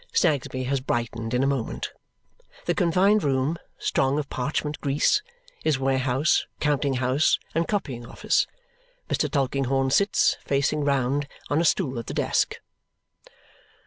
Snagsby has brightened in a moment. The confined room, strong of parchment grease, is warehouse, counting house, and copying office. Mr. Tulkinghorn sits, facing round, on a stool at the desk.